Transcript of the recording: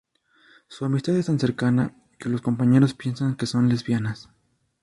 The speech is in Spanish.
Su amistad es tan cercana que los compañeros piensan que son lesbianas.